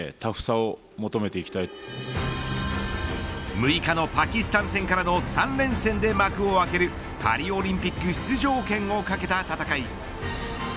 ６日のパキスタン戦からの３連戦で幕を開けるパリオリンピック出場権を懸けた戦い。